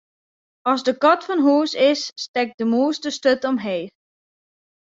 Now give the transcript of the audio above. As de kat fan hús is, stekt de mûs de sturt omheech.